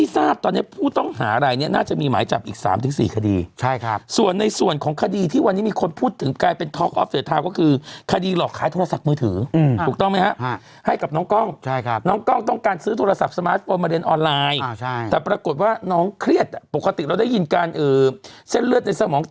ส่งของให้ลูกค้าอย่างนี้